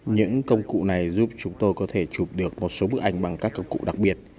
những công cụ này giúp chúng tôi có thể chụp được một số bức ảnh bằng các công cụ đặc biệt